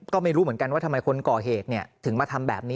ก็ไม่รู้เหมือนกันว่าทำไมคนก่อเหตุถึงมาทำแบบนี้